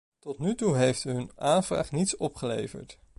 Tot nu toe heeft hun aanvraag niets opgeleverd.